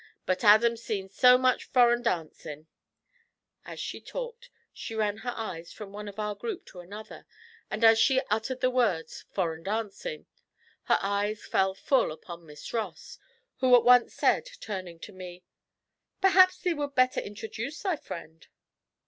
But Adam seen so much foreign dancin' ' As she talked she ran her eyes from one of our group to another, and as she uttered the words 'foreign dancin',' her eyes fell full upon Miss Ross, who at once said, turning to me: 'Perhaps thee would better introduce thy friend.'